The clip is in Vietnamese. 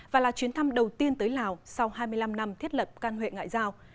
và là chuyến thăm đầu tiên tới lào sau hai mươi năm năm thiết lập can huệ ngại giao